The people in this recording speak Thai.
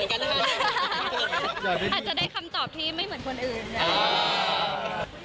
อาจจะได้คำตอบที่ไม่เหมือนคนอื่นนะ